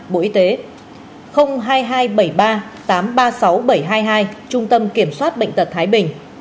một nghìn chín trăm linh chín nghìn chín mươi năm bộ y tế hai nghìn hai trăm bảy mươi ba tám trăm ba mươi sáu nghìn bảy trăm hai mươi hai trung tâm kiểm soát bệnh tật thái bình